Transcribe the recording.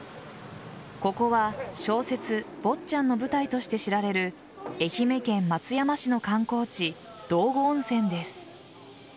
ここは、小説「坊っちゃん」の舞台として知られる愛媛県松山市の観光地道後温泉です。